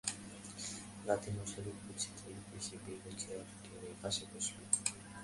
রাতে মশারি গুঁজতে এসে বিনু চেয়ার টেনে পাশে বসল।